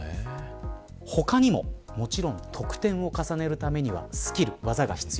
他にも、もちろん得点を重ねるためにはスキル、技が必要。